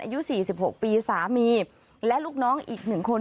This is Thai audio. อายุสี่สิบหกปีสามีและลูกน้องอีกหนึ่งคน